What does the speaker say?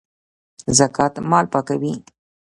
زکات مال پاکوي